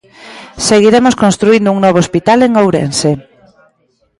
Seguiremos construíndo un novo hospital en Ourense.